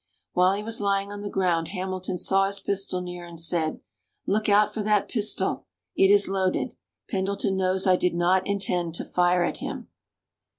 While he was lying on the ground Hamilton saw his pistol near and said, "Look out for that pistol, it is loaded Pendleton knows I did not intend to fire at him!"